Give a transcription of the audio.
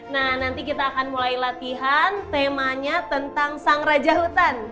nah nanti kita akan mulai latihan temanya tentang sang raja hutan